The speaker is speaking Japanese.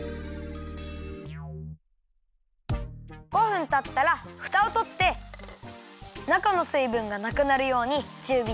５分たったらふたをとってなかの水ぶんがなくなるようにちゅうびでやきます！